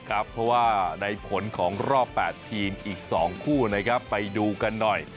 เพราะว่าในผลของรอบ๘ทีมอีก๒คู่นะครับไปดูกันหน่อย